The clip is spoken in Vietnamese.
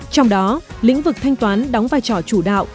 trong đó lĩnh vực thanh toán đóng vai trò chủ đạo